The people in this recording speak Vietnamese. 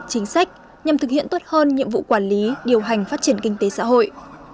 chính sách nhằm thực hiện tốt hơn nhiệm vụ quản lý điều hành phát triển kinh tế xã hội